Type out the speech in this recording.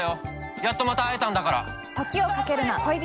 やっとまた会えたんだから。